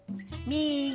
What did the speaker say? みぎ！